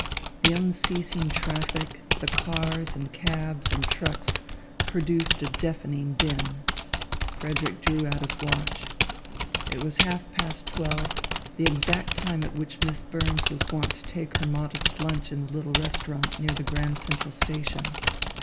The unceasing traffic, the cars and cabs and trucks, produced a deafening din. Frederick drew out his watch. It was half past twelve, the exact time at which Miss Burns was wont to take her modest lunch in the little restaurant near the Grand Central Station.